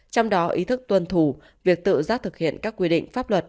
trong đó ý thức tuân thủ việc tự giác thực hiện các quy định pháp luật